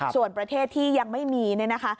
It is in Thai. ส่วนประเทศที่ยังไม่มีเนี่ยนะคะ